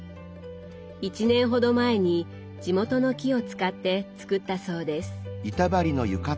１年ほど前に地元の木を使って作ったそうです。